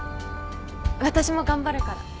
私も頑張るから。